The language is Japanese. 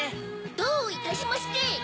どういたしまして。